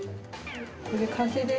これで完成です。